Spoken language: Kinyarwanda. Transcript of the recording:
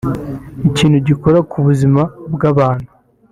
ikintu gikora ku buzima bw’abantu